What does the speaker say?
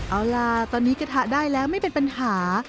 เอาล่ะตอนนี้กระทะได้แล้วไม่เป็นปัญหา